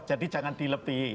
jadi jangan dilepihi